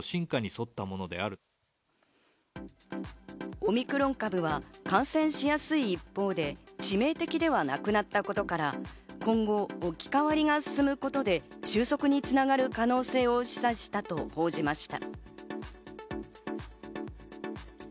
オミクロン株は感染しやすい一方で、致命的ではなくなったことから、今後、置き換わりが進むことで収束に繋がる可能性を示唆したと報じました。